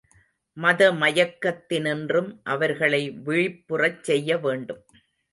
மத மயக்கத்தினின்றும் அவர்களை விழிப்புறச் செய்ய வேண்டும்.